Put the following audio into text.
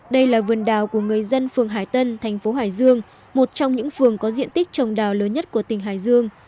đây là vườn đào của người dân phường hải tân thành phố hải dương một trong những phường có diện tích trồng đào lớn nhất của tỉnh hải dương